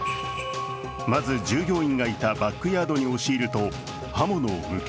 まず従業員がいたバックヤードに押し入ると刃物を向け